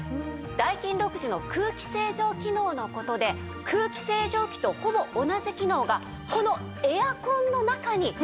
ダイキン独自の空気清浄機能の事で空気清浄機とほぼ同じ機能がこのエアコンの中に入っているんです。